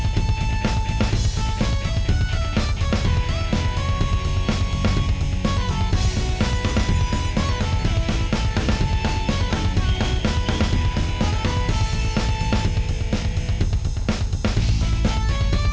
kita butuh lo yan